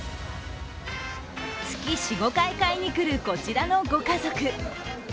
月４５回買いに来るこちらのご家族。